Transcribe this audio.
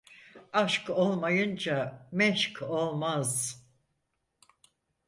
Aşk olmayınca meşk olmaz.